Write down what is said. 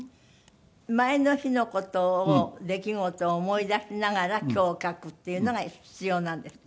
前の日の事を出来事を思い出しながら今日書くっていうのが必要なんですってね。